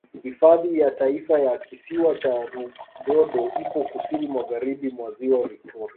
Hifadhi ya Taifa ya Kisiwa cha Rubondo ipo Kusini Magharibi mwa Ziwa Victoria